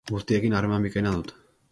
Guztiekin harreman bikaina dut.